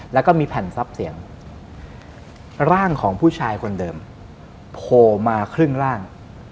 แล้วก็มีแผ่นทรัพย์เสียงร่างของผู้ชายคนเดิมโผล่มาครึ่งร่าง